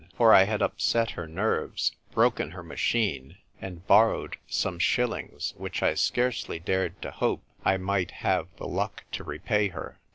For I had upset her nerves, broken her machine, and borrowed some shil lings, which I scarcely dared to hope I might have the luck to repay her.